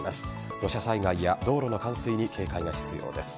土砂災害や道路の冠水に警戒が必要です。